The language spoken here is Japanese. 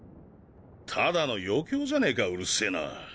ただの余興じゃねえかうるせぇな。